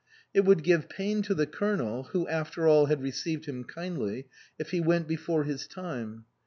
It would give pain to the Colonel (who after all had re ceived him kindly) if he went before his time.